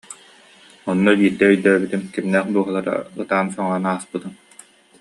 Онно биирдэ өйдөөтүм, кимнээх дууһалара ытаан-соҥоон ааспытын